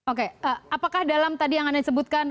oke apakah dalam tadi yang anda sebutkan